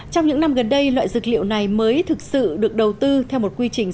trong những năm gần đây loại dược liệu này mới thực sự được đầu tư theo một quy trình